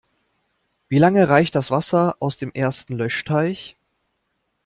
Wie lange reicht das Wasser aus dem ersten Löschteich?